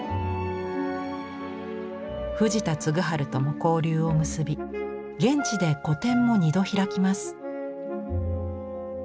藤田嗣治とも交流を結び現地で個展も２度開きます。